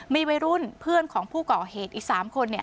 มีวัยรุ่นเพื่อนของผู้ก่อเหตุอีก๓คน